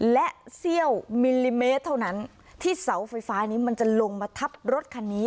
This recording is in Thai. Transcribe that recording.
และเสี้ยวมิลลิเมตรเท่านั้นที่เสาไฟฟ้านี้มันจะลงมาทับรถคันนี้